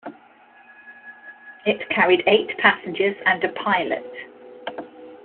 It carried eight passengers and a pilot.